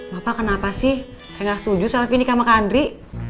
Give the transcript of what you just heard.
bapak kenapa sih saya gak setuju selesai nikah sama kandri